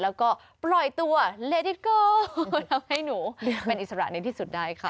แล้วก็ปล่อยตัวเลดิโกทำให้หนูเป็นอิสระในที่สุดได้ค่ะ